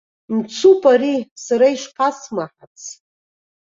Мцуп ари, са ишԥасмаҳац.